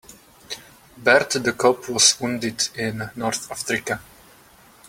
Bert the cop was wounded in North Africa.